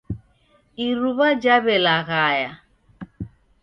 Iruw'a jaw'elaghaya.